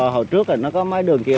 hồi trước nó có mấy đường kia